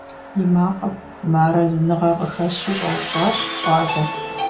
И макъым мыарэзыныгъэ къыхэщу щӀэупщӀащ щӀалэр.